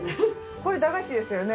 これ駄菓子ですよね。